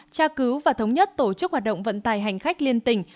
tra cứu và thống nhất tổ chức hoạt động vận tài hành khách liên tỉnh